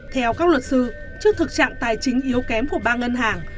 theo các luật sư trước thực trạng tài chính yếu kém của ba ngân hàng